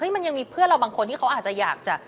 มันยังมีเพื่อนเราบางคนที่เขาอาจจะอยากจะ